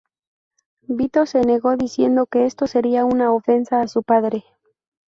Vito se negó, diciendo que esto sería una ofensa a su padre.